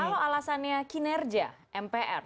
kalau alasannya kinerja mpr